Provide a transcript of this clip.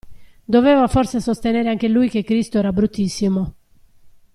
Doveva forse sostenere anche lui che Cristo era bruttissimo.